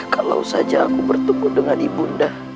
kalau saja aku bertemu dengan ibu undah